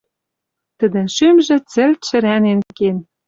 Тӹдӹн шӱмжӹ цӹлт шӹрӓнен кен.